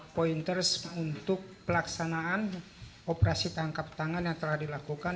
pointers untuk pelaksanaan operasi tangkap tangan yang telah dilakukan